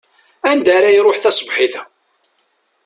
Anda ara iṛuḥ tasebḥit-a?